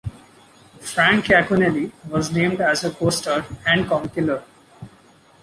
Frank Yaconelli was named as her co-star and 'comic killer'.